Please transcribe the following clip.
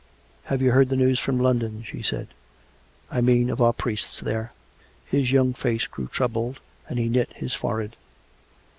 "Have you heard the news from London.''" she said. " I mean, of our priests there ?" His young face grew troubled, and he knit his forehead.